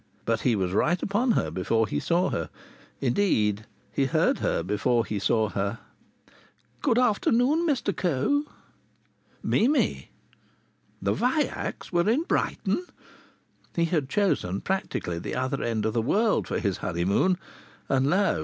But he was right upon her before he saw her. Indeed, he heard her before he saw her. "Good afternoon, Mr Coe." "Mimi!" The Vaillacs were in Brighton! He had chosen practically the other end of the world for his honeymoon, and lo!